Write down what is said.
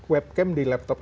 webcam di laptop